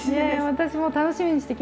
私も楽しみにしてきました。